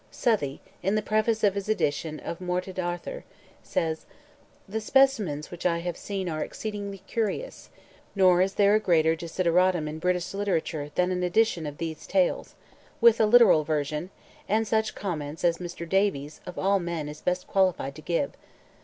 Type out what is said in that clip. Southey, in the preface of his edition of "Moted'Arthur," says: "The specimens which I have seen are exceedingly curious; nor is there a greater desideratum in British literature than an edition of these tales, with a literal version, and such comments as Mr. Davies of all men is best qualified to give.